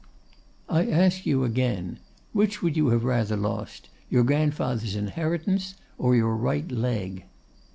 'I ask you again, which would you have rather lost, your grandfather's inheritance or your right leg?